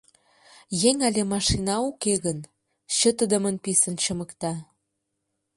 Еҥ але машина уке гын, чытыдымын писын чымыкта.